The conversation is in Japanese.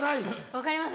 分かります。